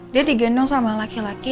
dia digendong sama laki laki